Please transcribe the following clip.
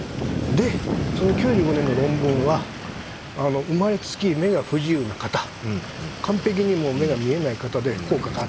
でその９５年の論文は生まれつき目が不自由な方完璧に目が見えない方で効果があったと。